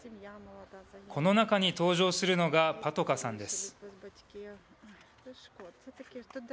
この中に登場するのが、パトカさんです。